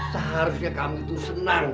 seharusnya kamu itu senang